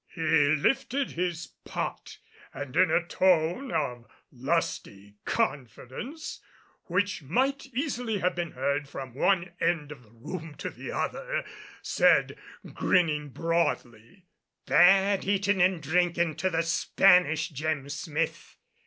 He lifted his pot and in a tone of lusty confidence which might easily have been heard from one end of the room to the other said, grinning broadly, "Bad eatin' and drinkin' to the Spanish, Jem Smith!